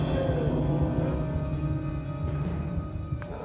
ya sudah diberesin di sana